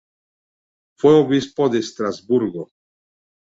Fue obispo de Estrasburgo.